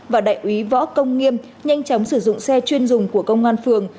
và đại úy võ công nghiêm nhanh chóng sử dụng xe chuyên dùng của công an phường